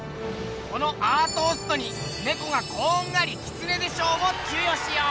このアートーストに「ネコがこんがりキツネで賞」を授与しよう！